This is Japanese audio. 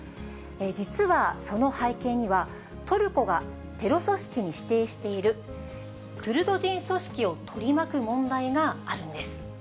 実は、その背景には、トルコがテロ組織に指定しているクルド人組織を取り巻く問題があるんです。